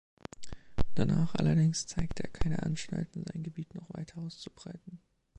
Danach allerdings zeigte er keine Anstalten, sein Gebiet noch weiter auszubreiten.